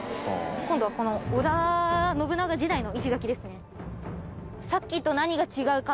今度はこの織田信長時代の石垣ですね。